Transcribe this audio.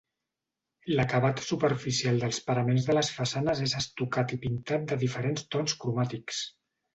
L'acabat superficial dels paraments de les façanes és estucat i pintat de diferents tons cromàtics.